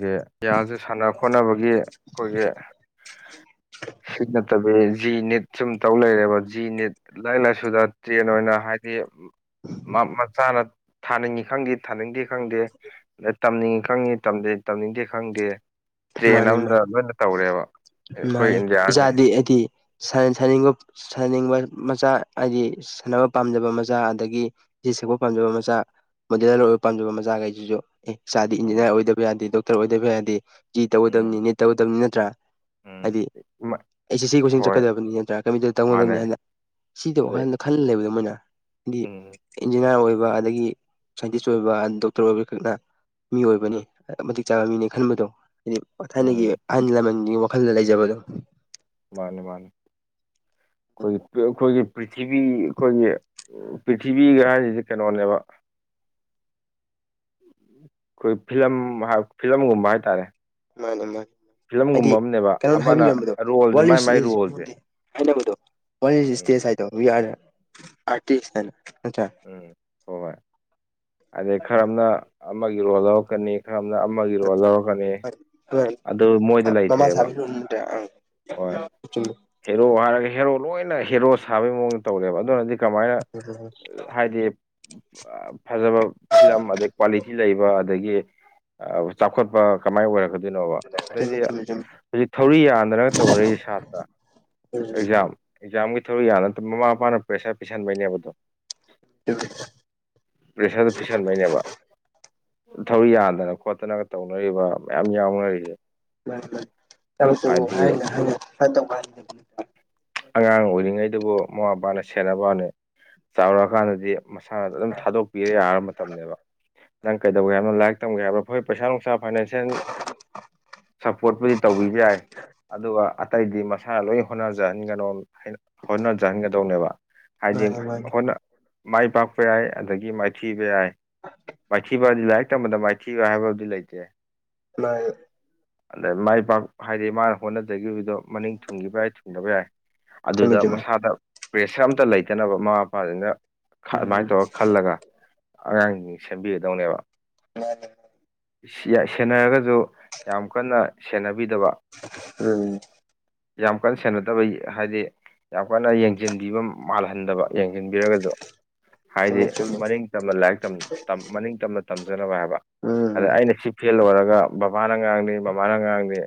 ꯒꯦ ꯌꯥꯖꯤ ꯁꯥꯟꯅ ꯈꯣꯠꯅꯕꯒꯤ ꯈꯣꯏꯒꯤ [inaudible] ꯁꯤꯠ ꯅꯠꯇꯕꯤ ꯖꯤ ꯅꯤꯠ ꯁꯨꯝ ꯇꯧ ꯂꯩꯔꯦꯕ ꯖꯤ ꯅꯤꯠ ꯂꯥꯏꯔꯤꯛ ꯂꯥꯏꯁꯨꯗ ꯇ꯭ꯔꯦꯟ ꯑꯣꯏꯅ ꯍꯥꯏꯗꯤ ꯃꯥ ꯃꯆꯥꯅ ꯊꯥꯅꯤꯡꯏ ꯈꯪꯗꯦ ꯊꯥꯅꯤꯡꯗꯦ ꯈꯪꯗꯦ ꯑꯗꯩ ꯇꯝꯅꯤꯡꯏ ꯈꯪꯏ ꯇꯝꯗꯦ ꯇꯝꯅꯤꯡꯗꯦ ꯈꯪꯗꯦ ꯇ꯭ꯔꯦꯟ ꯃꯥꯅꯤ ꯑꯃꯝꯗ ꯃꯥꯅꯤ ꯂꯣꯏꯅ ꯇꯧꯔꯦꯕ ꯑꯩꯈꯣꯏ ꯃꯥꯅꯤ ꯏꯟꯗꯤꯌꯥꯁꯦ ꯏꯆꯥꯗꯤ ꯑꯩꯗꯤ ꯁꯥꯟ ꯁꯥꯅꯤꯡꯕ ꯁꯥꯟꯅꯅꯤꯡꯕ ꯃꯆꯥ ꯑꯩꯗꯤ ꯁꯥꯟꯅꯕ ꯄꯥꯝꯖꯕ ꯃꯆꯥ ꯑꯗꯒꯤ ꯏꯁꯩ ꯁꯛꯄ ꯄꯥꯝꯖꯕ ꯃꯆꯥ ꯃꯣꯗꯦꯜꯂꯔ ꯑꯣꯏꯕ ꯄꯥꯝꯖ ꯃꯆꯥꯒꯩꯖꯤꯖꯨ ꯑꯦ ꯆꯥꯗꯤ ꯎꯝ ꯏꯟꯖꯤꯅ꯭ꯌꯥꯔ ꯑꯣꯏꯗꯕ ꯌꯥꯗꯦ ꯗꯣꯛꯇꯔ ꯑꯣꯏꯗꯕ ꯌꯥꯗꯦ ꯖꯤ ꯇꯧꯒꯗꯕꯅꯤ ꯎꯝ ꯅꯤꯠ ꯇꯧꯒꯗꯕꯅꯤ ꯅꯠꯇ꯭ꯔꯥ ꯍꯥꯏꯗꯤ ꯎꯝ ꯑꯦꯁ ꯁꯤ ꯁꯤ ꯀꯣꯆꯤꯡ ꯍꯣꯏ ꯆꯠꯀꯗꯕꯅꯤ ꯅꯠꯇ꯭ꯔꯥ ꯀꯝꯄ꯭ꯌꯨꯇꯔ ꯃꯥꯅꯦ ꯇꯝꯒꯗꯕꯅꯤ ꯍꯥꯟꯅ ꯁꯤ ꯇꯧꯕ ꯑꯗꯩ ꯋꯥꯈꯟꯗ ꯈꯜꯂ ꯂꯩꯕꯗꯣ ꯃꯣꯏꯅ ꯗꯤ ꯎꯝ ꯏꯟꯖꯤꯅ꯭ꯌꯥꯔ ꯑꯣꯏꯕ ꯑꯗꯒꯤ ꯁꯥꯏꯟꯇꯤꯁ ꯑꯣꯏꯕ ꯗꯣꯛꯇꯔ ꯑꯣꯏꯕ ꯈꯛꯅ ꯃꯤ ꯑꯣꯏꯕꯅꯤ ꯃꯇꯤꯛꯆꯥꯕ ꯃꯤꯅꯤ ꯈꯟꯕꯗꯣ ꯍꯥꯏꯗꯤ ꯊꯥꯏꯅꯒꯤ ꯎꯝ ꯑꯍꯟ ꯂꯃꯟꯒꯤ ꯋꯥꯈꯜꯗ ꯂꯩꯖꯕꯗꯣ ꯃꯥꯅꯦ ꯃꯥꯅꯦ ꯍꯧꯖꯤꯛꯇꯤ ꯑꯈꯣꯏꯒꯤ ꯄ꯭ꯔꯤꯊꯤꯕꯤ ꯑꯈꯣꯏꯒꯤ ꯄ꯭ꯔꯤꯊꯤꯕꯤꯒ ꯍꯥꯏꯖꯤ ꯀꯩꯅꯣꯅꯦꯕ ꯈꯣꯏ ꯐꯤꯂꯝ ꯍꯥꯞ ꯐꯤꯂꯝꯒꯨꯝꯕ ꯍꯥꯏꯇꯥꯔꯦ ꯃꯥꯅꯦ ꯃꯟ ꯍꯥꯏꯗꯤ ꯐꯤꯂꯝꯒꯨꯝꯕ ꯑꯃꯅꯦꯕ ꯀꯩꯅꯣꯅ ꯑꯃꯅ ꯍꯥꯏꯕꯤꯔꯝꯕꯗꯣ ꯔꯣꯜꯁꯦ ꯃꯥꯏ ꯋꯥꯔꯂꯤꯁ ꯃꯥꯏ ꯏꯁ ꯔꯣꯜꯁꯦ [unintelligible] ꯍꯥꯏꯅꯕꯗꯣ [unintelligible] ꯏꯁ ꯎꯝ ꯁꯇꯦꯖ ꯍꯥꯏꯗꯣ ꯋꯤ ꯑꯥꯔꯗ ꯑꯥꯔꯇꯤꯁ ꯍꯥꯏꯅ ꯅꯠꯇ꯭ꯔꯥ ꯎꯝ ꯍꯣꯏ ꯍꯣꯏ ꯑꯗꯩ ꯈꯔ ꯑꯝꯅ ꯑꯃꯒꯤ ꯔꯣꯜ ꯂꯧꯔꯛꯀꯅꯤ ꯈꯔ ꯑꯝꯅ ꯑꯃꯒꯤ ꯔꯣꯜ ꯂꯧꯔꯛꯀꯅꯤ ꯑꯗꯨ ꯃꯣꯏꯗ [unintelligible] ꯃꯥꯃꯥ ꯂꯩꯇ꯭ꯔꯦꯕ ꯁꯥꯕꯤ [unintelligible] ꯍꯣꯏ ꯆꯨꯝꯃꯤ ꯍꯦꯔꯣ ꯍꯥꯏꯔꯒ ꯍꯦꯔꯣ ꯂꯣꯏꯅ ꯍꯦꯔꯣ ꯁꯥꯕꯒꯤ ꯃꯑꯣꯡꯗ ꯇꯧꯔꯦꯕ ꯑꯗꯨꯅꯗꯤ ꯀꯃꯥꯏꯅ ꯍꯥꯏꯗꯤ ꯑ ꯐꯖꯕ ꯐꯤꯂꯝ ꯑꯗꯩ ꯀ꯭ꯋꯥꯂꯤꯇꯤ ꯂꯩꯕ ꯑꯗꯒꯤ ꯑ ꯆꯥꯎꯈꯠꯄ ꯀꯃꯥꯏꯅ ꯑꯣꯏꯔꯛꯀꯗꯣꯏꯅꯣꯕ ꯑꯗꯩꯗꯤ ꯆꯨꯝꯃꯤ ꯆꯨꯝꯃꯤ ꯆꯨꯝꯃꯤ ꯆꯨꯝꯃꯤ ꯍꯧꯖꯤꯛ ꯊꯧꯔꯤ ꯌꯥꯟꯗꯅ ꯇꯧꯅꯔꯤ ꯁꯥꯇ꯭ꯔꯥ ꯑꯦꯛꯖꯥꯝ ꯑꯦꯛꯖꯥꯝꯒꯤ ꯊꯧꯔꯤ ꯌꯥꯜꯂ ꯃꯃꯥ ꯃꯄꯥꯅ ꯄ꯭ꯔꯦꯁꯔ ꯄꯤꯁꯟꯕꯩꯅꯦꯕ ꯑꯗꯣ [unintelligible] ꯄ꯭ꯔꯦꯁꯔꯗꯣ ꯄꯤꯁꯟꯕꯩꯅꯦꯕ ꯊꯧꯔꯤ ꯌꯥꯟꯗꯅ ꯈꯣꯠꯇꯅꯒ ꯇꯧꯅꯔꯤꯕ ꯃꯌꯥꯝ ꯌꯥꯎꯅꯔꯤꯖꯦ ꯃꯅꯤ ꯃꯅꯤ ꯊꯕꯛꯇꯕꯨ ꯍꯥꯏꯅ ꯍꯥꯏꯅ ꯁꯃꯥꯏꯅ ꯇꯧꯕ ꯑꯉꯥꯡ ꯑꯣꯏꯔꯤꯉꯩꯗꯕꯨ ꯃꯃꯥ ꯃꯄꯥꯅ ꯁꯦꯟꯅꯕ ꯋꯥꯅꯤ ꯆꯥꯎꯔꯛꯑꯀꯥꯟꯗꯗꯤ ꯃꯁꯥꯅꯗ ꯑꯗꯨꯝ ꯊꯥꯗꯣꯛꯄꯤꯔ ꯌꯥꯔ ꯃꯇꯝꯅꯦꯕ ꯅꯪ ꯀꯩꯗꯧꯒꯦ ꯍꯥꯏꯕꯅꯣ ꯂꯥꯏꯔꯤꯛ ꯇꯝꯝꯕꯒꯦ ꯍꯥꯏꯕ꯭ꯔꯣ ꯍꯣꯏ ꯄꯩꯁꯥ ꯅꯨꯡꯁꯥ ꯐꯥꯏꯅꯥꯟꯁꯤꯌꯦꯜ ꯁꯞꯄꯣꯔꯠꯄꯨꯗꯤ ꯇꯧꯕꯤꯕ ꯌꯥꯏ ꯑꯗꯨꯒ ꯑꯇꯩꯗꯤ ꯃꯥ ꯏꯁꯥꯅ ꯂꯣꯏ ꯍꯣꯠꯅꯖꯍꯟꯒꯅꯣ ꯍꯣꯠꯅꯖꯍꯟꯒꯗꯧꯅꯦꯕ ꯍꯥꯏꯗꯤ ꯃꯥꯅꯤ ꯃꯥꯅꯤ ꯍꯣꯠꯅ ꯃꯥꯏ ꯄꯥꯛꯄ ꯌꯥꯏ ꯑꯗꯒꯤ ꯃꯥꯏꯊꯤꯕ ꯌꯥꯏ ꯃꯥꯏꯊꯤꯕ ꯂꯥꯏꯔꯤꯛ ꯇꯝꯕꯗ ꯃꯥꯏꯊꯤꯕ ꯍꯥꯏꯕꯗꯤ ꯂꯩꯇꯦ ꯅꯥꯏꯜ ꯑꯗ ꯃꯥꯏ ꯄꯥꯛ ꯍꯥꯏꯗꯤ ꯃꯥꯅ ꯍꯣꯠꯅꯖꯈꯤꯕꯗꯣ ꯃꯅꯤꯡ ꯊꯨꯡꯈꯤꯕ ꯌꯥꯏ ꯊꯨꯡꯗꯕ ꯌꯥꯏ ꯆꯨꯝꯃꯤ ꯑꯗꯨꯗ ꯆꯨꯝꯃꯤ ꯃꯁꯥꯗ ꯄ꯭ꯔꯦꯁꯔ ꯑꯃꯝꯇ ꯂꯩꯇꯅꯕ ꯃꯃꯥ ꯃꯄꯥꯖꯤꯡꯗ ꯃꯥꯏꯅ ꯎꯝ ꯇꯧꯔ ꯈꯜꯂꯒ ꯑꯉꯥꯡꯖꯤꯡꯖꯤ ꯁꯦꯝꯕꯤꯒꯗꯧꯅꯦꯕ ꯃꯥꯅꯤ ꯁꯤꯌꯥ ꯁꯦꯟꯅꯔꯒꯖꯨ ꯌꯥꯝ ꯀꯟꯅ ꯁꯦꯟꯅꯕꯤꯗꯕ ꯑꯗꯨꯅꯤ ꯌꯥꯝ ꯀꯟꯅ ꯁꯦꯟꯅꯗꯕꯩ ꯍꯥꯏꯗꯤ ꯌꯥꯝ ꯀꯟꯅ ꯌꯦꯡꯖꯟꯕꯤꯕ ꯃꯥꯜꯍꯟꯗꯕ ꯌꯦꯡꯖꯟꯟꯕꯤꯔꯒꯁꯨ ꯍꯥꯏꯗꯤ ꯆꯨꯝꯃꯤ ꯆꯨꯝꯃꯤ ꯃꯅꯤꯡ ꯇꯝꯅ ꯂꯥꯏꯔꯤꯛ ꯇꯝ ꯃꯅꯤꯡ ꯇꯝꯅ ꯇꯝꯖꯅꯕ ꯍꯥꯏꯕ ꯑꯗ ꯎꯝ ꯑꯩꯅ ꯊꯤꯞ ꯐꯦꯜ ꯑꯣꯏꯔꯒ ꯕꯕꯥꯅ ꯉꯥꯡꯅꯤ ꯃꯃꯥꯅ ꯉꯥꯡꯅꯤ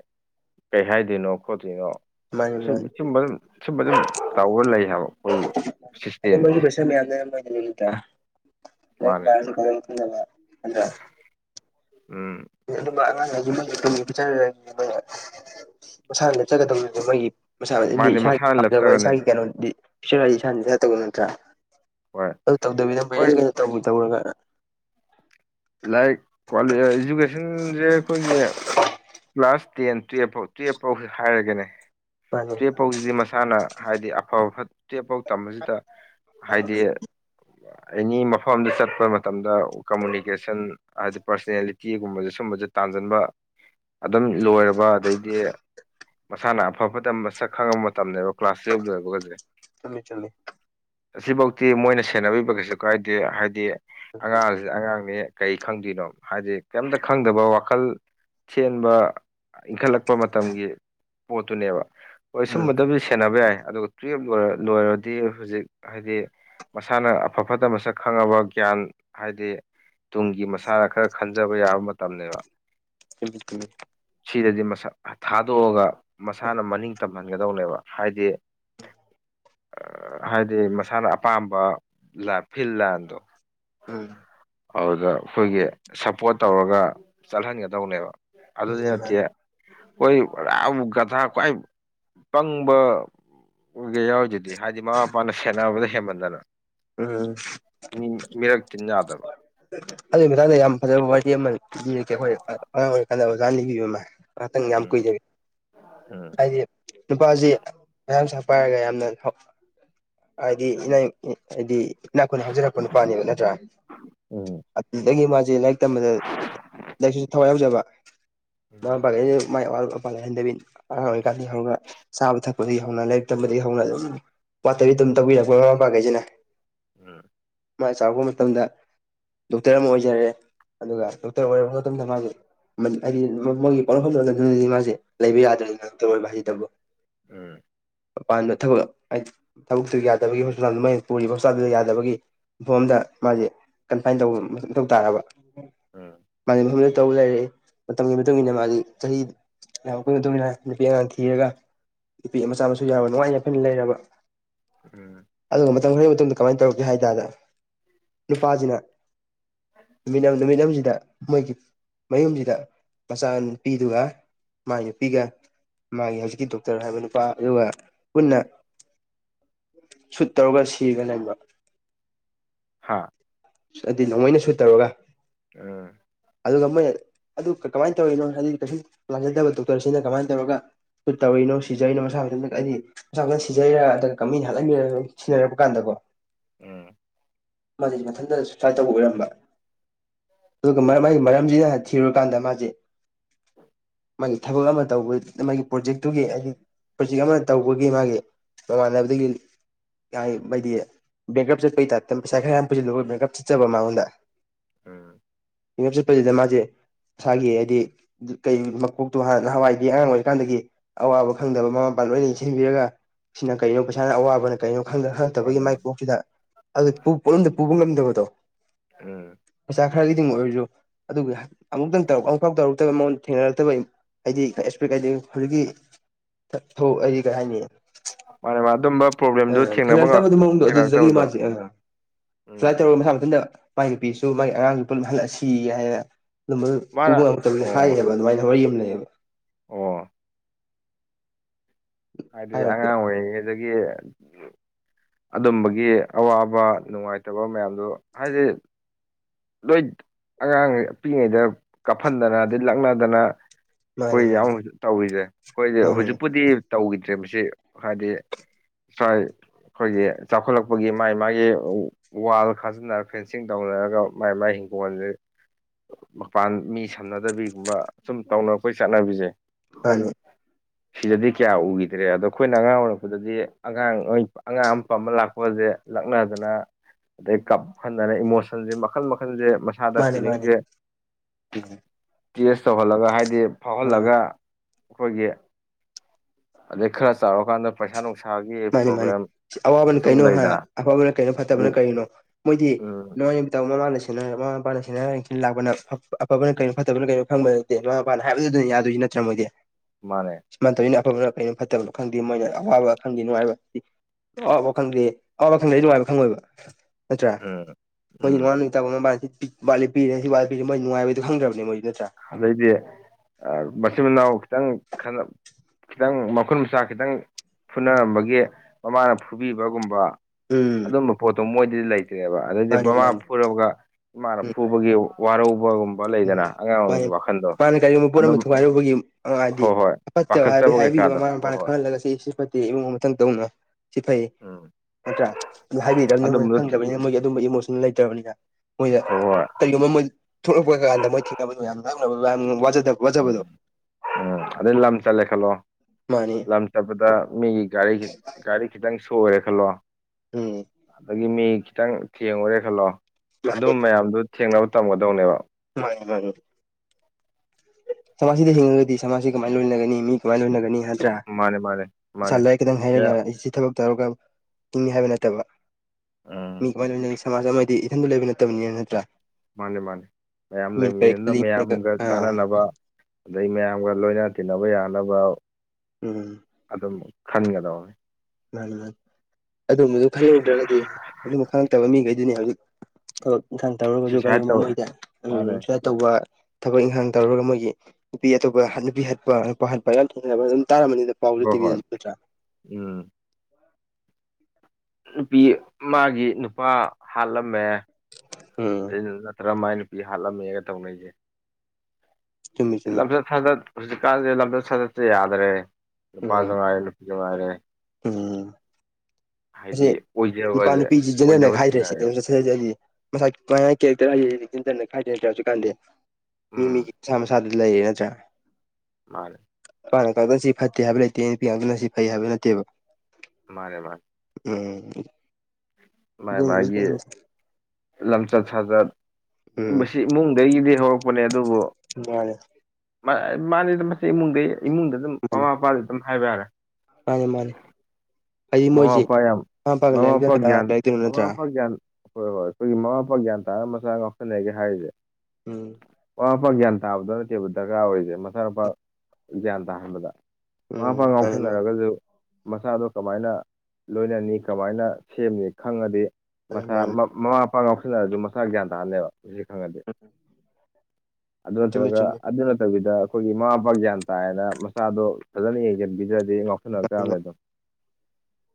ꯀꯩ ꯍꯥꯏꯗꯣꯏꯅꯣ ꯈꯣꯠꯇꯣꯏꯅꯣ ꯃꯥꯅꯤ ꯁꯨꯝ ꯃꯥꯅꯤ ꯁꯨꯝꯕ ꯑꯗꯨꯝ ꯁꯨꯝꯕ ꯑꯗꯨꯝ ꯇꯧꯔ ꯂꯩ ꯍꯥꯏꯕ ꯈꯣꯏꯒꯤ ꯁꯤꯁꯇꯦꯝ ꯅꯪꯗꯤ ꯄꯩꯁꯥ ꯃꯌꯥꯝ ꯃꯥꯅꯦ [unintelligible] [unintelligible] ꯎꯝ ꯑꯗꯨꯝꯕ ꯑꯉꯥꯡꯒꯤ ꯑꯁ ꯃꯣꯏꯒꯤ ꯇꯨꯛꯒꯤ ꯐꯤꯆꯔꯗꯒꯤ ꯃꯣꯏ ꯃꯁꯥꯅ ꯂꯦꯞꯆꯥ ꯆꯒꯗꯕꯁ ꯃꯣꯏꯒꯤ ꯃꯁꯥꯗꯤ ꯃꯥꯗꯤ ꯏꯁꯥꯒꯤ ꯃꯁꯥꯅ ꯄꯥꯝꯖꯕ ꯂꯦꯞꯆꯒꯅꯤ ꯏꯁꯥꯒꯤ ꯀꯩꯅꯣꯗꯤ ꯐꯤꯆꯔ ꯍꯥꯏꯗꯤ ꯏꯁꯥꯅ ꯏꯁꯥꯗ ꯇꯧꯒꯗꯕ ꯅꯠꯇ꯭ꯔꯥ ꯍꯣꯏ ꯑꯗꯨ ꯇꯧꯗꯕꯤꯗ ꯍꯣꯏ [unintelligible] ꯇꯧꯒꯤ ꯇꯧꯔꯒ ꯂꯥꯏꯔꯤꯛ ꯀ꯭ꯋꯥꯂꯤ ꯏꯖꯨꯀꯦꯁꯟꯖꯦ ꯈꯣꯏꯒꯤ ꯀ꯭ꯂꯥꯁ ꯇꯦꯟ ꯇꯨꯌꯦꯜꯐ ꯐꯥꯎ ꯇꯨꯌꯦꯐ ꯐꯥꯎ ꯍꯥꯏꯔꯒꯅꯦ ꯃꯥꯅꯤ ꯇꯨꯌꯦꯜꯐ ꯐꯥꯎꯁꯤꯗꯤ ꯃꯁꯥ ꯏꯁꯥꯅ ꯍꯥꯏꯗꯤ ꯑꯐꯕ ꯐꯠ ꯇꯨꯋꯤꯜꯐ ꯐꯥꯎ ꯇꯝꯕꯁꯤꯗ ꯍꯥꯏꯗꯤ ꯑꯦꯅꯤ ꯃꯐꯝ ꯑꯃꯗ ꯆꯠꯄ ꯃꯇꯝꯗ ꯀꯃꯨꯅꯤ ꯀꯦꯁꯟ ꯍꯥꯏꯗꯤ ꯄꯥꯔꯁꯅꯦꯂꯤꯇꯤꯒꯨꯝꯕꯖꯦ ꯁꯨꯝꯕꯖꯦ ꯇꯥꯟꯖꯟꯕ ꯑꯗꯨꯝ ꯂꯣꯏꯔꯕ ꯑꯗꯩꯗꯤ ꯃꯁꯥꯅ ꯑꯐ ꯐꯠꯇ ꯃꯁꯛ ꯈꯪꯉꯥꯕ ꯃꯇꯝꯅꯦꯕ ꯀ꯭ꯂꯥꯁ ꯇꯨꯋꯦꯜꯚ ꯂꯣꯏꯕꯒꯖꯦ ꯆꯨꯝꯃꯤ ꯆꯨꯝꯃꯤ ꯑꯁꯤꯐꯧꯗꯤ ꯃꯣꯏꯅ ꯁꯦꯟꯅꯕꯤꯕ ꯀꯩꯁꯨ ꯀꯥꯏꯗꯦ ꯍꯥꯏꯗꯤ ꯑꯉꯥꯡ ꯍꯥꯏꯖꯤ ꯑꯉꯥꯡꯅꯤ ꯀꯩ ꯈꯪꯗꯤꯅꯣ ꯍꯥꯏꯗꯤ ꯀꯦꯝꯇ ꯈꯪꯗꯕ ꯋꯥꯈꯜ ꯁꯦꯟꯕ ꯏꯟꯈꯠꯂꯛꯄ ꯃꯇꯝꯒꯤ ꯄꯣꯠꯇꯨꯅꯦꯕ ꯍꯣꯏ ꯎꯝ ꯁꯨꯝꯕꯗꯕꯨ ꯁꯦꯟꯅꯕ ꯌꯥꯏ ꯑꯗꯨꯒ ꯇꯨꯋꯦꯜꯞ ꯂꯣꯏꯔ ꯂꯣꯏꯔꯗꯤ ꯍꯧꯖꯤꯛ ꯍꯥꯏꯗꯤ ꯃꯁꯥꯅ ꯑꯐ ꯐꯠꯇ ꯃꯁꯛ ꯈꯪꯉꯕ ꯒ꯭ꯌꯥꯟ ꯍꯥꯏꯗꯤ ꯇꯨꯡꯒꯤ ꯃꯁꯥꯅ ꯈꯔ ꯈꯟꯖꯕ ꯌꯥꯕ ꯃꯇꯝꯅꯦꯕ [unintelligible] ꯁꯤꯗꯗꯤ ꯃꯁꯥ ꯊꯥꯗꯣꯛꯑꯒ ꯃꯁꯥꯅ ꯃꯅꯤꯡ ꯇꯝꯍꯟꯒꯗꯧꯅꯦꯕ ꯍꯥꯏꯗꯤ ꯍꯥꯏꯗꯤ ꯃꯁꯥꯅ ꯑꯄꯥꯝꯕ ꯂꯥꯏꯐ ꯐꯤꯜ ꯂꯥꯟꯗꯣ ꯎꯝ ꯑꯗꯨꯗ ꯑꯈꯣꯏꯒꯤ ꯁꯞꯄꯣꯔꯠ ꯇꯧꯔꯒ ꯆꯠꯍꯟꯒꯗꯧꯅꯦꯕ ꯑꯗꯨꯗꯤ ꯅꯠꯇꯦ ꯈꯣꯏ ꯄꯨꯔꯥ ꯒꯥꯙꯥ ꯈ꯭ꯋꯥꯏ ꯄꯪꯕ ꯒꯥ ꯌꯥꯎꯔꯤꯖꯤꯗꯤ ꯍꯥꯏꯗꯤ ꯃꯃꯥ ꯃꯄꯥꯅ ꯁꯦꯟꯅꯕꯗ ꯍꯦꯟꯃꯟꯗꯅ ꯎꯝ ꯃꯤ ꯃꯤꯔꯛꯇꯤꯟ ꯌꯥꯗꯕ ꯑꯗꯨꯏ ꯃꯇꯥꯡꯗ ꯌꯥꯝ ꯐꯖꯕ ꯋꯥꯔꯤ ꯑꯃ ꯂꯤꯔꯛꯀꯦ ꯑꯈꯣꯏ ꯑꯉꯥꯡ ꯑꯣꯏꯔꯤꯀꯥꯟꯗ ꯑꯣꯖꯥꯅ ꯂꯤꯕꯤꯕ ꯑꯃ ꯉꯥꯇꯪ ꯌꯥꯝ ꯎꯝ ꯀꯨꯏꯗꯕꯤ ꯎꯝ ꯍꯥꯏꯗꯤ ꯅꯨꯄꯥꯖꯤ ꯄꯩꯁꯥ ꯅꯨꯡꯁꯥ ꯄꯥꯏꯔꯒ ꯌꯥꯝꯅ ꯍꯥꯏꯗꯤ ꯏꯅ ꯍꯥꯏꯗꯤ ꯏꯅꯥꯛ ꯈꯨꯟꯅ ꯍꯧꯖꯔꯛꯄ ꯅꯨꯄꯥꯅꯦꯕ ꯅꯠꯇ꯭ꯔꯥ ꯎꯝ ꯑꯗꯨꯗꯒꯤ ꯃꯥꯖꯦ ꯂꯥꯏꯔꯤꯛ ꯇꯝꯕꯗ ꯂꯥꯏꯔꯤꯛꯁꯤꯁꯨ ꯊꯋꯥꯏ ꯌꯥꯎꯖꯕ ꯎꯝ ꯃꯥꯃꯥ ꯃꯄꯥꯒꯩꯖꯤ ꯃꯥꯏ ꯑꯋꯥꯠ ꯑꯄꯥ ꯂꯩꯍꯟꯗꯕꯤꯅꯤ ꯑꯉꯥꯡ ꯑꯣꯏꯔꯤꯀꯥꯟꯗꯒꯤ ꯍꯧꯔꯒ ꯆꯥꯕ ꯊꯛꯄꯗꯒꯤ ꯍꯧꯅ ꯂꯥꯏꯔꯤꯛ ꯇꯝꯕꯗꯒꯤ ꯍꯧꯅ ꯑꯗꯨꯝ ꯋꯥꯠꯇꯕꯤ ꯑꯗꯨꯝ ꯇꯧꯕꯤꯔꯛꯄ ꯃꯥꯃꯥ ꯃꯄꯥꯒꯩꯖꯤꯅ ꯎꯝ ꯃꯥ ꯆꯥꯎꯔꯛꯄ ꯃꯇꯝꯗ ꯗꯣꯛꯇꯔ ꯑꯃ ꯑꯣꯏꯖꯔꯦ ꯑꯗꯨꯒ ꯗꯣꯛꯇꯔ ꯑꯣꯏꯔꯕ ꯃꯇꯨꯡꯗ ꯃꯥꯖꯦ ꯍꯥꯏꯗꯤ ꯃꯣꯏꯒꯤ ꯄꯣꯛꯅꯐꯝ ꯂꯝꯗꯝꯗꯨꯗꯗꯤ ꯃꯥꯖꯦ ꯂꯩꯕ ꯌꯥꯗ꯭ꯔꯦꯗꯅ ꯗꯣꯛꯇꯔ ꯑꯣꯏꯕ ꯍꯥꯏꯖꯤꯗꯕꯨ ꯎꯝ ꯃꯄꯥꯟꯗ ꯊꯕꯛ ꯍꯥꯏ ꯊꯕꯛꯇꯨ ꯌꯥꯗꯕꯒꯤ ꯍꯣꯁꯄꯤꯇꯥꯜꯗꯨ ꯃꯅꯥ ꯄꯨꯔꯤꯕ ꯍꯣꯁꯄꯤꯇꯥꯜꯗꯨꯗ ꯌꯥꯗꯕꯒꯤ ꯃꯐꯝ ꯑꯃꯗ ꯃꯥꯖꯦ ꯀꯟꯐꯥꯏꯟ ꯇꯧꯕ ꯇꯊꯧ ꯇꯥꯔꯕ ꯎꯝ ꯎꯝ ꯃꯥꯖꯦ ꯃꯐꯝꯗ ꯇꯧꯂꯩꯔꯦꯌꯦ ꯃꯇꯝꯒꯤ ꯃꯇꯨꯡ ꯏꯟꯅ ꯃꯥꯖꯤ ꯆꯍꯤ ꯌꯥꯝꯃꯛꯄꯩ ꯃꯇꯨꯡ ꯏꯟꯅ ꯅꯨꯄꯤ ꯑꯉꯥꯡ ꯊꯤꯔꯒ ꯅꯨꯄꯤ ꯃꯆꯥ ꯃꯁꯨ ꯌꯥꯎꯔꯒ ꯅꯨꯡꯉꯥꯏ ꯌꯥꯏꯐꯅ ꯂꯩꯔꯕ ꯎꯝ ꯑꯗꯨꯒ ꯃꯇꯝ ꯈꯔꯒꯤ ꯃꯇꯨꯡꯗ ꯀꯃꯥꯏꯅ ꯇꯧꯔꯛꯀꯦ ꯍꯥꯏ ꯇꯔꯗ ꯅꯨꯄꯥꯖꯤꯅ [unintelligible] ꯃꯣꯏꯒꯤ ꯃꯌꯨꯝꯖꯤꯗ ꯃꯆꯥ ꯅꯨꯨꯄꯤꯗꯨꯒ ꯃꯥꯏ ꯅꯨꯄꯤꯒ ꯃꯥꯒꯤ ꯍꯧꯖꯤꯛꯀꯤ ꯗꯣꯛꯇꯔ ꯍꯥꯏꯕ ꯅꯨꯄꯥ ꯗꯨꯒ ꯄꯨꯟꯅ ꯁꯨꯠ ꯇꯧꯔꯒ ꯁꯤꯒꯅꯦꯕ ꯍꯥꯥ ꯑꯗꯨꯏ ꯅꯣꯡꯃꯩꯅ ꯁꯨꯠ ꯇꯧꯔꯒ ꯑꯥ ꯑꯗꯨꯒ ꯃꯣꯏꯅ ꯑꯗꯨ ꯀꯃꯥꯏꯟ ꯇꯧꯔꯤꯅꯣ ꯍꯥꯏꯗꯤ ꯀꯩꯁꯨ ꯂꯥꯟꯖꯗꯕ ꯗꯣꯛꯇꯔꯁꯤꯅ ꯀꯃꯥꯏꯟ ꯇꯧꯔꯒ ꯇꯧꯔꯤꯅꯣ ꯁꯤꯖꯩꯅꯣ ꯃꯁꯥꯃꯊꯟꯗ ꯑꯩꯗꯤ ꯃꯁ ꯃꯊꯟ ꯁꯤꯖꯩꯔ ꯅꯠꯇ꯭ꯔ ꯀꯥ ꯃꯤꯅ ꯍꯠꯂꯝꯃꯤꯔ ꯊꯤꯅꯔꯛꯄ ꯀꯥꯟꯗꯀꯣ ꯎꯝ ꯃꯗꯤ ꯃꯊꯟꯗꯅ ꯁꯨꯁꯥꯏꯠ ꯇꯧꯕ ꯑꯣꯏꯔꯝꯕ ꯑꯗꯨꯒ ꯃꯔ ꯃꯒꯤ ꯃꯔꯝꯖꯤꯅ ꯊꯤꯔꯨꯔꯀꯥꯟꯗ ꯃꯖꯦ [inaudible] ꯃꯥꯒꯤ ꯊꯕꯛ ꯑꯃ ꯇꯧꯕ ꯃꯥꯒꯤ ꯄ꯭ꯔꯣꯖꯦꯛꯇꯨꯒꯤ ꯍꯥꯏꯗꯤ ꯄ꯭ꯔꯣꯖꯦꯛ ꯑꯃ ꯇꯧꯕꯒꯤ ꯃꯥꯒꯤ ꯃꯃꯥꯟꯅꯕꯗꯒꯤ ꯍꯥꯏ ꯕꯥꯏꯗꯤ ꯕꯦꯡꯀ꯭ꯔꯞ ꯆꯠꯄꯩ ꯇꯥꯏꯞꯇ ꯄꯩꯁꯥ ꯈꯔ ꯌꯥꯝ ꯄꯨꯁꯤꯜꯂꯨꯕ ꯕꯦꯡꯀ꯭ꯔꯞ ꯆꯠꯆꯥꯕ ꯃꯉꯣꯟꯗ ꯎꯝ ꯕꯦꯡꯀ꯭ꯔꯞ ꯆꯠꯄꯖꯤꯗ ꯃꯥꯖꯤ ꯃꯁꯥꯒꯤ ꯍꯥꯏꯗꯤ ꯀꯩ ꯃꯀꯣꯛꯇꯣ ꯅꯍꯋꯥꯏꯗꯤ ꯑꯉꯥꯡ ꯑꯣꯏꯔꯤꯀꯥꯟꯗꯒꯤ ꯑꯋꯥꯕ ꯈꯪꯗꯕ ꯃꯃꯥ ꯃꯄꯥ ꯂꯣꯏꯅ ꯌꯦꯟꯁꯤꯟꯕꯤꯔꯒ ꯁꯤꯅ ꯀꯩꯅꯣ ꯄꯩꯁꯥꯅ ꯑꯋꯥꯕꯅ ꯀꯩꯅꯣ ꯍꯪꯂꯛꯇꯕꯒꯤ ꯃꯥꯅꯦ ꯃꯥꯏ ꯃꯥꯅꯦ ꯀꯣꯛꯁꯤꯗ ꯑꯗꯨ ꯄꯣꯠꯂꯨꯝꯗꯣ ꯄꯨꯕ ꯉꯝꯗꯕꯗꯣ ꯎꯝ ꯄꯩꯁꯥ ꯈꯔꯒꯤꯗꯤꯡꯒꯤ ꯑꯣꯏꯔꯖꯨ ꯑꯗꯨꯒꯤ ꯑꯃꯨꯛꯇꯪ ꯑꯃꯨꯛꯐꯥꯎ ꯇꯧꯔꯛꯇꯕ ꯃꯉꯣꯟꯗ ꯊꯦꯡꯅꯔꯛꯇꯕꯩ ꯑꯩꯗꯤ [unintelligible] ꯍꯧꯖꯤꯛꯀꯤ ꯁꯠꯊꯨ ꯑꯩꯗꯤ ꯀꯩ ꯍꯥꯏꯅꯤ ꯑꯥ ꯃꯥꯅꯦ ꯃꯥ ꯑꯗꯨꯝꯕ ꯄ꯭ꯔꯣꯕ꯭ꯂꯦꯝꯗꯨ ꯊꯦꯡꯅꯕ ꯊꯦꯡꯅꯔꯛꯇꯕꯗꯨ ꯃꯋꯣꯡꯗꯣ ꯑꯗꯨꯗꯒꯤ ꯊꯦꯡꯅꯔꯛꯇꯕꯗꯣ ꯃꯖꯦ ꯑꯥ ꯁꯨꯁꯏꯠ ꯎꯝ ꯇꯧꯔ ꯃꯁꯥ ꯃꯊꯟꯗ ꯃꯒꯤ ꯅꯨꯄꯤꯁꯨ ꯃꯥꯒꯤ ꯑꯉꯥꯡꯁꯨ ꯄꯨꯟ ꯍꯜꯂꯛꯑꯒ ꯁꯤ ꯍꯥꯏꯅ ꯑꯗꯨꯝꯕ ꯃꯥꯅ ꯄꯨꯕ ꯉꯝ ꯇꯧꯋꯦ ꯑꯣ ꯍꯥꯏꯌꯦꯕ ꯑꯗꯨꯃꯥꯏꯟ ꯋꯥꯔꯤ ꯑꯃ ꯂꯩꯩꯌꯦꯕ ꯑꯣ ꯍꯥꯏꯗꯤ ꯍꯥꯏꯔ ꯑꯉꯥꯡ ꯑꯣꯏꯔꯤꯉꯩꯗꯒꯤ ꯑꯗꯨꯝꯕꯒꯤ ꯑꯋꯥꯕ ꯅꯨꯡꯉꯥꯏꯇꯕ ꯃꯌꯥꯝꯗꯣ ꯍꯥꯏꯗꯤ ꯂꯣꯏ ꯑꯉꯥꯡ ꯄꯤꯛꯏꯉꯩꯗ ꯀꯥꯞꯐꯟꯗꯅ ꯑꯗꯩ ꯂꯛꯅꯗꯅ ꯃꯥꯅꯤ ꯈꯣꯏ ꯌꯥꯎ ꯃꯥꯅꯤ ꯇꯧꯔꯤꯖꯦ ꯈꯣꯏꯒꯤ ꯃꯥꯅꯤ ꯍꯧꯖꯤꯛꯄꯨꯗꯤ ꯇꯧꯒꯤꯗ꯭ꯔꯦ ꯃꯁꯤ ꯍꯥꯏꯗꯤ ꯆꯥꯏ ꯈꯣꯏꯒꯤ ꯆꯥꯎꯈꯠꯂꯛꯄꯒꯤ ꯃꯥꯏ ꯃꯥꯏ ꯋꯥꯜ ꯈꯖꯤꯟꯅꯔꯛꯈ꯭ꯔꯦ ꯐꯦꯟꯁꯤꯡ ꯇꯧꯅꯔꯒ ꯃꯥꯏ ꯃꯥꯏ ꯍꯤꯡꯒꯣꯠꯖꯦ ꯃꯄꯥꯟ ꯃꯤ ꯁꯝꯅꯗꯕꯤꯒꯨꯝꯕ ꯁꯨꯝ ꯇꯧꯅꯔꯛꯄꯩ ꯆꯠꯅꯕꯤꯖꯦ ꯃꯅꯤ ꯁꯤꯗꯗꯤ ꯀꯌꯥ ꯎꯒꯤꯗ꯭ꯔꯦ ꯑꯗꯣ ꯈꯣꯏꯅ ꯑꯉꯥꯡ ꯑꯣꯏꯔꯛꯄꯗꯗꯤ ꯑꯉꯥꯡ ꯑꯉꯥꯡ ꯑꯃꯄꯝꯃ ꯂꯥꯛꯄꯒꯖꯦ ꯂꯛꯅꯗꯅ ꯑꯗꯩ ꯀꯞꯐꯟꯗꯅ ꯏꯃꯣꯁꯟꯖꯦ ꯃꯈꯜ ꯃꯈꯜꯖꯦ ꯃꯁꯥꯗ ꯃꯥꯅꯤ ꯃꯥꯅꯤ ꯐꯤꯂꯤꯡꯖꯦ ꯎꯝ ꯇꯦꯁ ꯇꯧꯍꯜꯂꯒ ꯍꯥꯏꯗꯤ ꯃꯥꯅꯤ ꯐꯥꯎꯍꯜꯂꯒ ꯈꯣꯏꯒꯤ ꯑꯗꯩ ꯈꯔ ꯆꯥꯎꯔꯀꯟꯗ ꯃꯥꯅꯤ ꯃꯥꯅꯤ ꯑꯋꯥꯕꯅ ꯁꯨꯝ ꯀꯩꯅꯣ ꯍꯥ ꯂꯩꯗꯅ ꯑꯐꯕꯅ ꯀꯩꯅꯣ ꯐꯠꯇꯕꯅ ꯀꯩꯅꯣ ꯃꯣꯏꯗꯤ ꯎꯝ ꯅꯣꯏ ꯇ ꯃꯃꯥꯅ ꯁꯦꯟꯅꯔ ꯃꯃꯥ ꯃꯄꯥꯅ ꯁꯦꯟꯅꯔ ꯁꯤꯟ ꯂꯡꯕꯅ ꯑꯐꯕꯅ ꯀꯩꯅꯣ ꯐꯠꯇꯕꯅ ꯀꯩꯅꯣ ꯈꯪꯕꯟ ꯇꯦ ꯃꯃꯥ ꯃꯄꯥꯅ ꯍꯥꯏꯕꯗꯨ ꯗꯅꯤ ꯌꯗꯣꯏꯁꯦ ꯅꯠꯇ꯭ꯔ ꯃꯣꯏꯗꯤ ꯃꯅꯦ ꯃꯅ ꯇꯧꯔꯤꯅ ꯑꯐꯕꯅ ꯀꯔꯤꯅꯣ ꯐꯠꯇꯕꯅꯣ ꯈꯪꯗꯦ ꯃꯣꯏꯅ ꯑꯋꯥꯕ ꯈꯪꯗꯦ ꯅꯨꯡꯉꯥꯏꯕ, ꯑꯋꯥꯕ ꯈꯪꯗꯦ ꯑꯋꯥꯕ ꯈꯪꯗ꯭ꯔꯗꯤ ꯅꯨꯡꯉꯥꯏꯕ ꯈꯪꯉꯣꯏꯕ ꯅꯠꯇ꯭ꯔꯥ? ꯎꯝ ꯃꯣꯏꯗꯤ ꯎꯝ ꯅꯣꯉꯟꯕ ꯅꯨꯃꯤꯠꯇꯥꯕ [unintelligible] [unintelligible] ꯁꯤ ꯋꯥꯠꯂꯦ ꯄꯤꯔꯦ, ꯃꯣꯏ ꯅꯨꯉꯥꯏꯕ ꯍꯥꯏꯗꯣ ꯈꯪꯗ꯭ꯔꯕꯅꯦ ꯃꯣꯏꯗꯤ ꯅꯠꯇ꯭ꯔꯥ? ꯑꯗꯩꯗꯤ ꯑ ꯃꯆꯤꯟ ꯃꯅꯥꯎ ꯈꯤꯇꯪ ꯈꯠꯅ ꯈꯤꯇꯪ ꯃꯈꯨꯠ ꯃꯁꯥ ꯈꯤꯇꯪ ꯐꯨꯅꯔꯝꯕꯒꯤ ꯃꯃꯥꯅ ꯐꯨꯕꯤꯕꯒꯨꯝꯕ꯫ ꯎꯝ ꯑꯗꯨꯝꯕ ꯄꯣꯠꯇꯣ ꯃꯣꯏꯗꯗꯤ ꯂꯩꯇ꯭ꯔꯦꯕ ꯑꯗꯨꯗꯩꯗꯤ ꯃꯥꯅꯤ ꯃꯃꯥ ꯃꯥꯅꯤ ꯐꯨꯔꯧꯒ ꯏꯃꯥꯅ ꯎꯝ ꯐꯨꯕꯒꯤ ꯋꯥꯔꯧꯕꯒꯨꯝꯕ ꯂꯩꯗꯅ꯫ ꯑꯉꯥꯡ ꯑꯣꯏꯔꯤꯉꯩꯒꯤ ꯋꯥꯈꯟꯗꯣ [unintelligible] ꯃꯥꯅ ꯀꯔꯤꯒꯨꯝꯕ ꯄꯣꯠ ꯑꯃ ꯑꯗꯨꯝ ꯊꯨꯒꯥꯏꯔꯨꯕꯒꯤ ꯑ ꯍꯥꯏꯗꯤ ꯍꯣꯏ ꯍꯣꯏ ꯐꯠꯇꯕ ꯍꯥꯏꯕꯩ ꯄꯥꯈꯠꯆꯕ ꯍꯥꯏꯕꯒꯤ ꯀꯩꯀꯥꯗꯣ ꯃꯃꯥ ꯍꯣꯏ ꯃꯄꯥꯅ ꯍꯣꯏ ꯈꯜꯂꯒ ꯁꯤ ꯁꯤ ꯐꯠꯇꯦ ꯏꯕꯨꯡꯉꯣ ꯃꯊꯪ ꯇꯧꯅꯣ꯫ ꯁꯤ ꯐꯩ, ꯎꯝ ꯅꯠꯇ꯭ꯔꯥ? ꯑꯗꯨ ꯍꯥꯏꯕꯤꯗꯕꯅꯤꯅꯦ ꯃꯣꯏ ꯑꯗꯨꯝꯕꯗꯣ ꯊꯤ- ꯈꯪꯗꯕꯅꯤꯅ ꯃꯣꯏꯒꯤ ꯑꯗꯨꯝꯕ ꯏꯃꯣꯁꯅꯦꯜ ꯂꯩꯇ꯭ꯔꯕꯅꯤꯅ꯫ ꯃꯣꯏꯗ ꯍꯣꯏ ꯍꯣꯏ ꯀꯔꯤꯒꯨꯝꯕ ꯃꯣꯏ ꯊꯣꯛꯂꯛꯄ ꯀꯥꯟꯗ ꯃꯣꯏ ꯊꯦꯡꯅꯕꯗꯣ ꯌꯥꯝ [unintelligible] ꯌꯥꯝ ꯋꯥꯖꯗꯕ ꯋꯥꯖꯕꯗꯣ꯫ ꯎꯝ ꯎꯝ ꯑꯗꯩ ꯂꯝ ꯆꯠꯂꯦ ꯈꯜꯂꯣ, ꯃꯥꯅꯤ ꯂꯝ ꯆꯠꯄꯗ ꯃꯤꯒꯤ ꯒꯥꯔꯤꯁꯦ ꯒꯥꯔꯤ ꯈꯤꯇꯪ ꯁꯣꯛꯎꯔꯦ ꯈꯜꯂꯣ ꯎꯝ ꯑꯗꯒꯤ ꯃꯤ ꯈꯤꯇꯪ ꯊꯦꯡꯉꯨꯔꯦ ꯈꯜꯂꯣ ꯃꯥꯅꯤ ꯑꯗꯨꯝꯕ ꯃꯌꯥꯝꯗꯨꯣ ꯊꯦꯡꯅꯕ ꯇꯝꯒꯗꯧꯅꯦꯕ꯫ ꯃꯥꯅꯤ ꯃꯥꯅꯤ ꯁꯃꯥꯖꯁꯤꯗ ꯍꯤꯡꯉꯒꯗꯤ ꯁꯃꯥꯖꯁꯤ ꯀꯃꯥꯏ ꯂꯣꯏꯅꯒꯅꯤ ꯃꯤ ꯀꯃꯥꯏꯅ ꯂꯣꯏꯅꯒꯅꯤ ꯍꯥꯏ ꯇ꯭ꯔꯥ ꯃꯥꯅꯦ ꯃꯥꯅꯦ ꯃꯥꯅꯦ ꯁꯥ ꯂꯥꯏꯔꯤꯛ ꯈꯤꯇꯪ ꯍꯩꯔꯒ ꯃꯌꯥꯝ ꯑꯩ ꯁꯤ ꯊꯕꯛ ꯇꯧꯔꯒ ꯍꯤꯡꯅꯤ ꯍꯥꯏꯕ ꯅꯠꯇꯕ, ꯎꯝ ꯃꯤ ꯀꯃꯥꯏꯅ ꯂꯣꯏꯅꯅꯤ ꯁꯃꯥꯖ ꯑꯃꯗꯤ ꯏꯊꯟꯗ ꯂꯩꯕ ꯅꯠꯇꯕꯅꯤꯅ ꯅꯠꯇ꯭ꯔꯥ? ꯃꯥꯅꯦ ꯃꯥꯅꯦ꯫ ꯃꯌꯥꯝ ꯃꯤꯅ ꯀꯔꯤ ꯂꯩꯃꯤꯟꯅ ꯈꯜꯂꯤ ꯃꯌꯥꯝꯒ ꯑꯥ ꯆꯥꯟꯅꯅꯕ ꯑꯗꯩ ꯃꯌꯥꯝꯒ ꯂꯣꯏꯅ ꯇꯤꯟꯅꯕ ꯌꯥꯅꯕ꯫ ꯎꯝ ꯑꯗꯨꯝ ꯈꯟꯒꯗꯧꯅꯤ꯫ ꯃꯥꯅꯤ ꯃꯥꯅꯤ ꯑꯗꯨꯝꯕꯗꯨ ꯈꯜꯍꯧꯗ꯭ꯔꯒꯗꯤ, ꯑꯗꯨꯝꯕ ꯈꯪꯉꯛꯇꯕ ꯃꯤꯈꯩꯗꯨꯅꯤ ꯍꯧꯖꯤꯛ ꯈꯛ ꯏꯪꯈꯥꯡ ꯇꯧꯔꯒꯁꯨ ꯁꯨꯏꯁꯥꯏꯠ ꯀꯔꯤꯒꯨꯝꯕ ꯇꯧ ꯃꯣꯏꯗ ꯎꯝ ꯃꯥꯅꯦ ꯁꯨꯋꯥꯏ ꯇꯧꯕ, ꯊꯕꯛ ꯏꯪꯈꯥꯡ ꯇꯧꯔꯒ ꯃꯣꯏꯒꯤ ꯅꯨꯄꯤ ꯑꯇꯣꯞꯄ ꯍꯠ ꯅꯨꯄꯤ ꯍꯠꯄ ꯅꯨꯄꯥ ꯍꯠꯄ ꯌꯥꯝ ꯊꯦꯡꯅꯕ ꯑꯗꯨꯝ ꯇꯥꯔꯝꯝꯕꯅꯤꯅ ꯄꯥꯎꯁꯨ ꯍꯣꯏ ꯍꯣꯏ ꯇꯤꯕꯤꯗꯁꯨ ꯅꯠꯇ꯭ꯔꯥ? ꯎꯝ ꯑ [inaudible] ꯅꯨꯄꯤ ꯃꯥꯒꯤ ꯅꯨꯄꯥ ꯍꯥꯠꯂꯝꯃꯦ, ꯎꯝ ꯑꯗꯨ ꯅꯠꯇ꯭ꯔ ꯃꯥꯏ ꯅꯨ ꯄꯤ ꯍꯥꯠꯂꯝꯃꯦꯒ ꯇꯧꯅꯩꯁꯦ꯫ ꯆꯨꯝꯃꯤ ꯆꯨꯝꯃꯤ ꯂꯝꯆꯠ ꯁꯥꯖꯠ, ꯍꯧꯖꯤꯛꯀꯥꯟꯁꯦ ꯂꯝꯆꯠ ꯁꯥꯖꯠꯁꯦ ꯌꯥꯗꯔꯦ꯫ ꯎꯝ ꯅꯨꯄꯥꯁꯨ ꯉꯥꯏꯔꯦ ꯅꯨꯄꯤꯁꯨ ꯉꯥꯏꯔꯦ꯫ ꯎꯝ ꯑꯁꯤ ꯍꯥꯏꯗꯤ ꯅꯨꯄꯥ ꯑꯣꯏꯖꯕꯁꯦ ꯅꯨꯄꯤꯁꯤ ꯖꯦꯟꯗꯔ ꯑꯣꯏꯖꯕ ꯈꯥꯏꯗ꯭ꯔꯦ ꯊꯤꯅꯔꯦ [unintelligible] ꯏꯁꯥ ꯁꯥꯒꯤ ꯃꯁꯥꯒꯤ [unintelligible] ꯀꯦꯔꯦꯛꯇꯔ ꯍꯥꯏꯁꯦ ꯖꯦꯟꯗꯔꯅ ꯈꯥꯏꯗꯦ ꯅꯠꯇ꯭ꯔꯥ? ꯍꯧꯖꯤꯛꯀꯥꯟꯗꯤ ꯃꯤ ꯎꯝ ꯃꯤꯒꯤ ꯃꯁꯥ ꯃꯁꯥꯗ ꯂꯩꯔꯦ ꯅꯠꯇ꯭ꯔꯥ? ꯃꯥꯅꯦ꯫ ꯅꯨꯄꯥ ꯉꯥꯛꯇꯅ ꯁꯤ ꯐꯠꯇꯦ ꯍꯥꯏꯕ ꯂꯩꯇꯦ ꯅꯨꯄꯤ ꯉꯥꯛꯇꯅ ꯁꯤ ꯐꯩ ꯍꯥꯏꯕ ꯅꯠꯇꯦꯕ꯫ ꯃꯥꯅꯦ ꯃꯥꯅꯦ꯫ ꯎꯝ ꯃꯥꯥꯏ ꯑꯗꯨꯅ ꯃꯥꯒꯤ ꯍꯧꯖꯤꯛꯀꯥꯟꯁꯦ ꯂꯝꯆꯠ ꯁꯥꯖꯠ ꯎꯝ ꯃꯁꯤ ꯏꯃꯨꯡꯗꯒꯤꯗꯤ ꯍꯧꯔꯛꯄꯅꯦ ꯑꯗꯨꯕꯨ ꯃꯥꯅꯦ ꯃ ꯃꯥꯅꯤꯗ ꯃꯁꯤ ꯏꯃꯨꯡꯗꯩ ꯏꯃꯨꯡꯗ ꯑꯗꯨꯝ ꯃꯃꯥ ꯃꯄꯥꯗꯩ ꯑꯗꯨꯝ ꯍꯥꯏꯕ ꯌꯥꯔꯦ꯫ ꯃꯥꯅꯦ ꯃꯥꯅꯦ꯫ ꯍꯥꯏꯗꯤ ꯃꯃꯥ ꯃꯣꯏꯁꯤ ꯃꯄꯥ ꯌꯥꯝ ꯃꯃꯥ ꯃꯄꯥꯒ ꯃꯃꯥ ꯂꯩꯔꯛꯇ ꯃꯄꯥ ꯀꯅꯒꯥ ꯒ꯭ꯌꯥꯟ ꯂꯩꯔꯛꯇꯣꯏꯅꯣ ꯃꯃꯥ ꯅꯠꯇ꯭ꯔꯥ? ꯃꯄꯥ ꯒ꯭ꯌꯥꯟ ꯍꯣꯏ ꯍꯣꯏ ꯑꯩꯈꯣꯏꯒꯤ ꯃꯃꯥ ꯃꯄꯥ ꯒ꯭ꯌꯥꯟ ꯇꯥꯔ ꯃꯆꯥ ꯉꯥꯎꯁꯟꯅꯩꯒ ꯍꯥꯏꯔꯤꯁꯦ ꯎꯝ ꯃꯃꯥ ꯃꯄꯥ ꯒ꯭ꯌꯥꯟ ꯇꯥꯕꯗꯣ ꯅꯠꯇꯦꯕ ꯗꯔꯀꯥꯔ ꯑꯣꯏꯔꯤꯖꯦ ꯃꯆꯥꯥ ꯅꯨꯄꯥ ꯒ꯭ꯌꯥꯟ ꯇꯥꯍꯟꯕꯗ ꯃꯃꯥ ꯃꯄꯥ ꯎꯝ ꯃꯥꯅꯤ ꯃꯥꯅꯤ ꯉꯥꯎꯁꯟꯅꯔꯒꯖꯨ ꯃꯆꯥꯗꯣ ꯀꯃꯥꯏꯅ ꯂꯣꯏꯅꯅꯤ ꯀꯃꯥꯏꯅ ꯁꯦꯝꯅꯤ ꯈꯪꯉꯗꯤ ꯃꯥꯅꯤ ꯃꯆꯥ ꯃꯥꯅꯤ ꯃ ꯃꯃꯥ ꯃꯄꯥ ꯉꯎꯁꯟꯅꯔꯖꯨ ꯃꯆꯥ ꯒ꯭ꯌꯥꯟ ꯇꯥꯅꯦꯕ ꯃꯁꯤ ꯈꯪꯉꯗꯤ ꯑꯗꯨ ꯆꯨꯝꯃꯤ ꯅꯠꯇ꯭ꯔꯒ ꯆꯨꯝꯃꯤ ꯑꯗꯨ ꯅꯠꯇꯕꯤꯗ ꯑꯈꯣꯏꯒꯤ ꯃꯃꯥ ꯃꯄꯥ ꯒ꯭ꯌꯥꯟ ꯇꯥꯏꯌꯦꯅ ꯃꯆꯥꯗꯣ ꯐꯖꯅ ꯌꯦꯡꯁꯤꯟꯕꯤꯗ꯭ꯔꯗꯤ ꯃꯥꯅꯤ ꯉꯥꯎꯁꯤꯟꯅꯔꯛꯇꯕꯅꯦ ꯃꯥꯅꯤ ꯑꯗꯨꯝ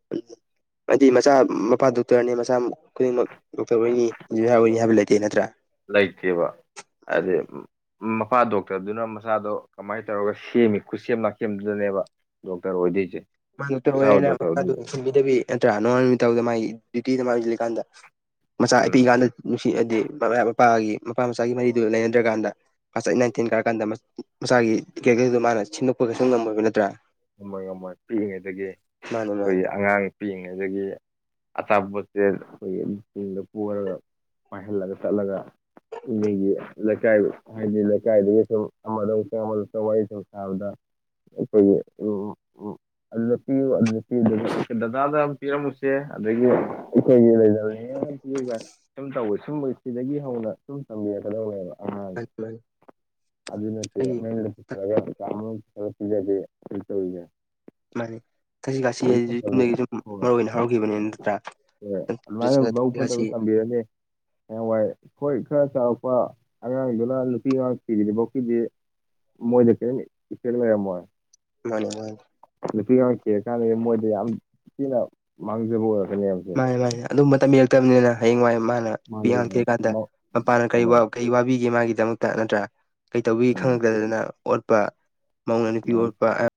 [unintelligible] ꯍꯥꯏꯗꯤ ꯃꯆꯥ ꯃꯄꯥ ꯗꯣꯛꯇꯔꯅꯦ ꯃꯆꯥ ꯈꯨꯗꯤꯡꯃꯛ ꯗꯣꯛꯇꯔ ꯑꯣꯏꯅꯤ ꯏꯟꯖꯤꯅꯤꯌꯥꯔ ꯑꯣꯏꯅꯤ ꯍꯥꯏꯕ ꯂꯩꯇꯦ ꯅꯠꯇ꯭ꯔꯥ ꯂꯩꯇꯦꯕ ꯃꯥꯅꯤ ꯑꯗꯩ ꯃꯄꯥ ꯗꯣꯛꯇꯔꯗꯨꯅ ꯃꯆꯥꯗꯣ ꯀꯃꯥꯏꯟ ꯇꯧꯔꯒ ꯁꯦꯝꯃꯤ ꯈꯨꯠꯁꯦꯝ ꯂꯥꯛꯁꯦꯝꯗꯨꯗꯅꯦꯕ ꯗꯣꯛꯇꯔ ꯑꯣꯏꯗꯣꯏꯖꯦ [unintelligible] ꯏꯕꯤꯗꯕꯤ ꯅꯠꯇ꯭ꯔꯥ ꯅꯣꯉꯣꯟ ꯅꯨꯃꯤꯠꯇꯕꯗ ꯃꯥꯒꯤ ꯗ꯭ꯌꯨꯇꯤꯗ ꯃꯥꯏ ꯑꯣꯟꯖꯤꯜꯂꯤꯀꯥꯟꯗ ꯃꯆꯥ ꯎꯝ ꯄꯤꯛꯏꯀꯥꯟꯗ ꯅꯨꯡꯁꯤ ꯑꯗꯤ ꯃꯃꯥ ꯃꯄꯥꯒꯤ ꯃꯄꯥ ꯃꯆꯥꯒꯤ ꯃꯔꯤꯗꯨ ꯂꯩꯅꯗ꯭ꯔꯀꯥꯟꯗ ꯀ꯭ꯂꯥꯁ ꯑꯦꯠ ꯅꯥꯏꯟ ꯇꯦꯟ ꯀꯥꯔꯀꯥꯟꯗ ꯃꯆꯥꯒꯤ ꯀꯦꯔꯦꯛꯇꯔꯗꯣ ꯃꯥꯅ ꯁꯤꯟꯗꯣꯛꯄ ꯀꯩꯁꯨ ꯉꯝꯃꯣꯏꯕ ꯅꯠꯇ꯭ꯔꯥ ꯉꯝꯃꯣꯏ ꯉꯝꯃꯣꯏ ꯄꯤꯛꯏꯉꯩꯗꯒꯤ ꯃꯥꯅꯦ ꯃꯥꯅꯦ ꯑꯈꯣꯏ ꯑꯉꯥꯡ ꯄꯤꯛꯏꯉꯩꯗꯒꯤ ꯑꯆꯥꯄꯣꯠꯖꯦ ꯑꯈꯣꯏꯒꯤ ꯆꯤꯡꯗ ꯄꯣꯔꯒ ꯄꯥꯏꯍꯜꯂꯒ ꯆꯠꯂꯒ ꯃꯤꯒꯤ ꯂꯩꯀꯥꯏ ꯍꯥꯏꯗꯤ ꯂꯩꯀꯥꯏꯗꯒꯤ ꯁꯨꯝ ꯑꯃꯗ ꯑꯃꯨꯛ ꯆꯪ ꯑꯃꯗ ꯑꯃꯨꯛ ꯆꯪ ꯋꯥꯔꯤ ꯁꯨꯝ ꯁꯥꯥꯕꯗ [unintelligible] ꯑꯗꯨꯗ ꯄꯤꯌꯨ ꯑꯗꯨꯗ ꯄꯤ ꯗꯗꯥꯗ ꯑꯃ ꯄꯤꯔꯝꯃꯨꯁꯦ ꯑꯗꯒꯤ ꯑꯈꯣꯏꯒꯤ [unintelligible] [unintelligible] ꯁꯨꯝ ꯇꯧꯋꯦ ꯁꯨꯝ ꯁꯤꯗꯒꯤ ꯍꯧꯅ ꯁꯨꯝ ꯇꯝꯕꯤꯔꯛꯀꯗꯧꯅꯦꯕ ꯑꯥ ꯃꯥꯅꯤ ꯃꯥꯅꯤ ꯑꯗꯨ ꯅꯠꯇꯦ ꯑꯩ ꯃꯌꯨꯝꯗ ꯄꯨꯁꯜꯂꯒ ꯀꯥ ꯃꯅꯨꯡꯗ ꯄꯨꯁꯤꯜꯒ ꯄꯤꯖꯕꯤ ꯍꯧꯖꯤꯛ ꯇꯧꯔꯤꯖꯦ ꯃꯥꯅꯦ ꯊꯥꯛꯁꯤ ꯈꯥꯁꯤ ꯍꯥꯏꯖꯤꯗꯤ ꯌꯨꯝꯗꯒꯤ ꯁꯨꯝ ꯍꯣꯏ ꯃꯔꯨꯑꯣꯏ ꯑꯣꯏꯅ ꯍꯧꯔꯛꯂꯤꯕꯅꯤꯅ ꯅꯠꯇ꯭ꯔꯥ ꯍꯣꯏ ꯑꯗꯨꯃꯥꯏꯟ ꯊꯛꯁꯤ ꯃꯕꯨꯛ ꯈꯥꯁꯤ ꯐꯠꯇꯕ ꯊꯝꯕꯤꯔꯅꯤ ꯍꯌꯦꯡꯋꯥꯏ ꯍꯣꯏ ꯈꯔ ꯆꯥꯎꯔꯛꯄ ꯑꯉꯥꯡꯗꯨꯅ ꯅꯨꯄꯤ ꯑꯉꯥꯡ ꯊꯤꯗ꯭ꯔꯤꯕꯨꯛꯀꯤꯗꯤ ꯃꯣꯏꯗ ꯀꯦꯝ ꯏꯐꯦꯛ ꯂꯩꯔꯝꯃꯣꯏ ꯃꯥꯅꯦ ꯃꯥꯅꯦ ꯅꯨꯄꯤ ꯑꯉꯥꯡ ꯊꯤꯔ ꯀꯥꯟꯗꯗꯤ ꯃꯣꯏꯗ ꯌꯥꯝ ꯊꯤꯅ ꯃꯥꯡꯖꯕ ꯑꯣꯏꯔꯛꯀꯅꯦꯕ ꯁꯦ ꯃꯅꯦ ꯑꯗꯨꯝꯕ ꯇꯝꯕꯤꯔꯛꯇꯝꯅꯤꯅ ꯍꯌꯦꯡꯋꯥꯏ ꯃꯥꯅ ꯅꯨꯄꯤ ꯃꯥꯅꯦ ꯑꯉꯥꯡ ꯃꯥꯅꯦ ꯊꯤꯔꯀꯥꯟꯗ ꯍꯣꯏ ꯃꯄꯥꯅ ꯀꯔꯤ ꯋꯥ ꯍꯣꯏ ꯀꯩ ꯋꯥꯕꯤꯒꯦ ꯃꯥꯒꯤꯗꯃꯛꯇ ꯅꯠꯇ꯭ꯔꯥ ꯀꯩ ꯇꯧꯕꯤꯒꯦ ꯎꯝ ꯈꯪꯉꯛꯇꯗꯅ ꯑꯣꯠꯄ ꯃꯧꯉꯣꯟꯗ ꯅꯨꯄꯤ ꯃꯥꯅꯤ ꯑꯣꯠꯄ